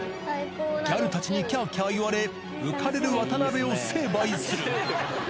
ギャルたちにきゃーきゃー言われ、浮かれる渡辺を成敗する。